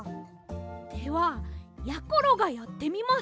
ではやころがやってみます！